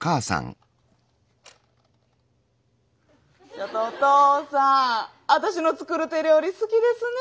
ちょっとお父さんあたしの作る手料理好きですねえ。